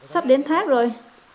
sắp đến thác rồi